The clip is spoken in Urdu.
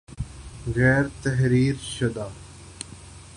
غیر تحریر شدہ